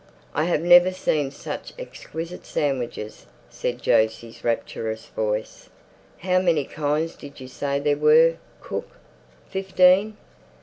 "I have never seen such exquisite sandwiches," said Jose's rapturous voice. "How many kinds did you say there were, cook? Fifteen?"